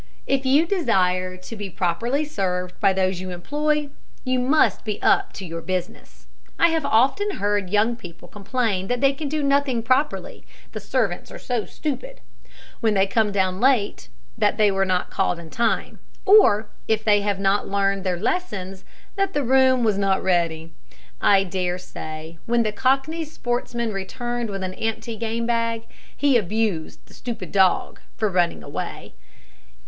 If you desire to be properly served by those you employ, you must be up to your business. I have often heard young people complain that they can do nothing properly, the servants are so stupid; when they come down late, that they were not called in time; or, if they have not learned their lessons, that the room was not ready. I daresay, when the Cockney sportsman returned with an empty gamebag, he abused the stupid dog for running away.